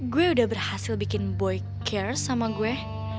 gue udah berhasil bikin boy care sama gue